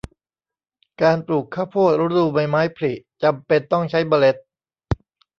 การปลูกข้าวโพดฤดูใบไม้ผลิจำเป็นต้องใช้เมล็ด